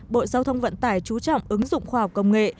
bộ giao thông vận tải chú trọng ứng dụng khoa học công nghệ